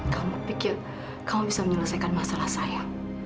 kamu pikir kau bisa menyelesaikan masalah saya